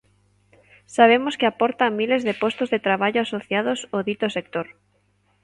Sabemos que aporta miles de postos de traballo asociados ao dito sector.